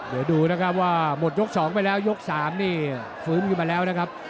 เดี๋ยวดูนะครับว่าหมดยก๒ไปแล้วยก๓นี่ฟื้นขึ้นมาแล้วนะครับ